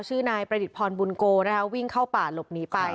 ชื่อนายประดิษฐพรบุญโกนะคะวิ่งเข้าป่าหลบหนีไป